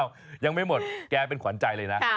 อ้าวยังไม่หมดแกเป็นขวานใจเลยนะค่ะ